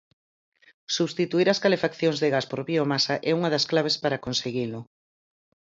Substituír as calefaccións de gas por biomasa é unha das claves para conseguilo.